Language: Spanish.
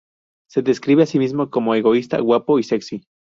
Se describe a sí mismo como: "egoísta, guapo y sexy".